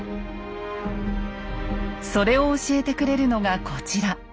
それを教えてくれるのがこちら。